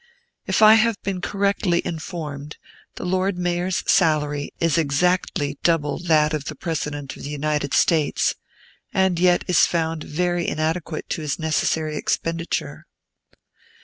If I have been correctly informed, the Lord Mayor's salary is exactly double that of the President of the United States, and yet is found very inadequate to his necessary expenditure.